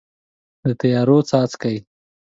د تیارو څاڅکي